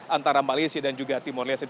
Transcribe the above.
antara malaysia dan juga timur leste